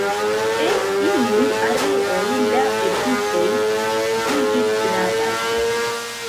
En iuj areoj la efikoj iĝis gravaj.